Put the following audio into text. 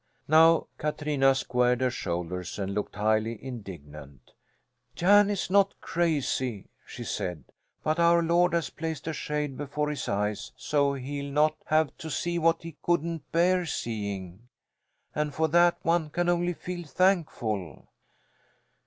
Now Katrina squared her shoulders and looked highly indignant. "Jan is not crazy," she said. "But Our Lord has placed a shade before his eyes so he'll not have to see what he couldn't bear seeing. And for that one can only feel thankful."